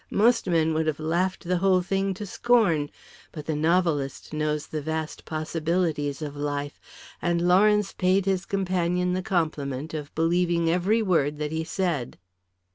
Most men would have laughed the whole thing to scorn. But the novelist knows the vast possibilities of life, and Lawrence paid his companion the compliment of believing every word that he said.